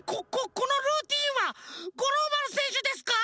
このルーティンは五郎丸せんしゅですか？